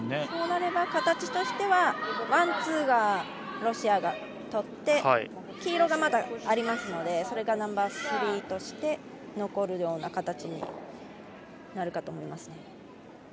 そうなれば形としてはワン、ツーがロシアがとって黄色がまだありますのでそれが、ナンバースリーとして残るような形になるかと思いますね。